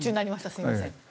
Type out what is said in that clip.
すみません。